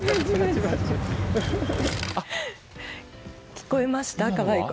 聞こえました？